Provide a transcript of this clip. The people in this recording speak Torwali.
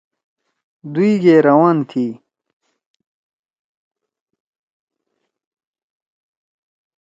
دوئی گے روان تھی۔